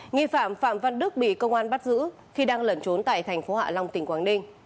nghi phạm phạm văn đức bị công an bắt giữ khi đang lẩn trốn tại thành phố hạ long tỉnh quảng ninh